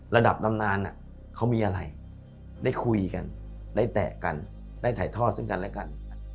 ระดับตำนานเขามีอะไรได้คุยกันได้แตะกันได้ถ่ายทอดซึ่งกันและกัน